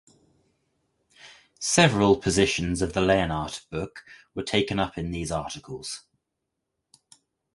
Several positions of the Leonhardt book were taken up in these articles.